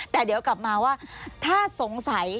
แต่เดี๋ยวกลับมาว่าถ้าสงสัย